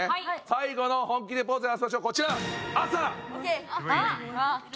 最後の本気でポーズを合わせましょうこちら！